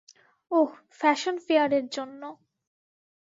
ওহ, fashion ফেয়ারের জন্য।